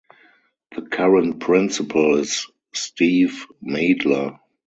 The current principal is Steve Madler.